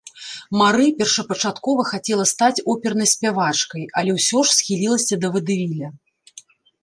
Мары першапачаткова хацела стаць опернай спявачкай, але ўсё ж схілілася да вадэвіля.